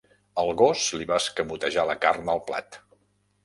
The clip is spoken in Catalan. El gos li va escamotejar la carn del plat.